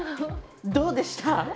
どうでした？